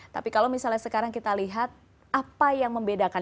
tapi kalau misalnya sekarang kita lihat apa yang membedakan